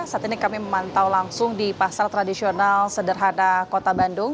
saat ini kami memantau langsung di pasar tradisional sederhana kota bandung